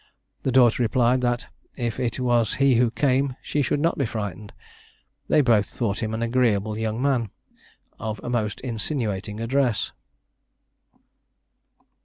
The daughter replied, that if it was he who came, she should not be frightened. They both thought him an agreeable young man, of a most insinuating address.